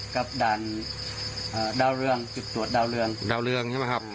กับด่านดาวเรืองจุดตรวจดาวเรืองดาวเรืองใช่ไหมครับ